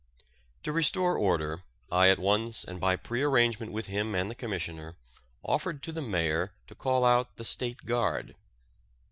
To restore order, I at once and by pre arrangement with him and the Commissioner, offered to the Mayor to call out the State Guard.